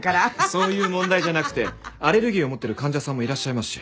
そういう問題じゃなくてアレルギーを持ってる患者さんもいらっしゃいますし。